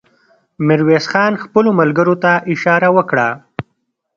ميرويس خان خپلو ملګرو ته اشاره وکړه.